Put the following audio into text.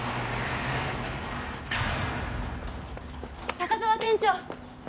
高沢店長！